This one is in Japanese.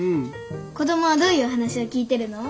子供はどういうお話を聞いてるの？